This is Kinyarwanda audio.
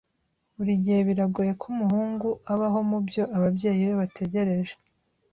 Buri gihe biragoye ko umuhungu abaho mubyo ababyeyi be bategereje.